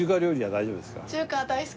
大丈夫ですか。